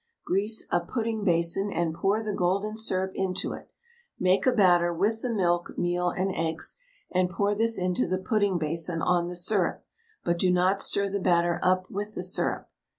Grease a pudding basin, and pour the golden syrup into it; make a batter with the milk, meal, and eggs, and pour this into the pudding basin on the syrup, but do not stir the batter up with the syrup.